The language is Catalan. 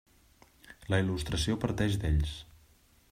La il·lustració parteix d'ells.